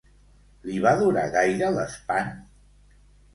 Li va durar gaire l'espant?